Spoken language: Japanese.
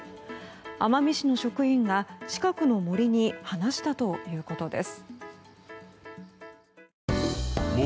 奄美市の職員が近くの森に放したということです。